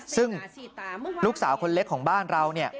ซึ่งลูกสาวคนเล็กของบ้านเราเนี่ย